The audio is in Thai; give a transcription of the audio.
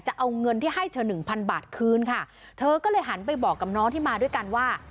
จะเอาเงินที่ให้เธอหนึ่งพันบาทคืนค่ะเธอก็เลยหันไปบอกกับน้องที่มาด้วยกันว่า